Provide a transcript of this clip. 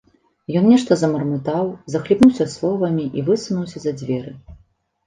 Ён нешта замармытаў, захліпнуўся словамі і высунуўся за дзверы.